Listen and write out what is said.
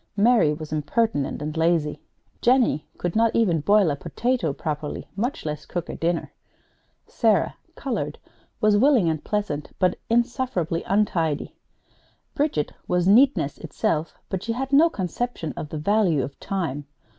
Mary was impertinent and lazy. Jennie could not even boil a potato properly, much less cook a dinner. Sarah (colored) was willing and pleasant, but insufferably untidy. Bridget was neatness itself, but she had no conception of the value of time.